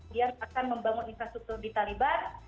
dia akan membangun infrastruktur di taliban